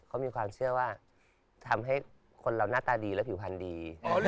เขามีความเชื่อว่าทำให้คนเราหน้าตาดีและผิวพันธุ์ดี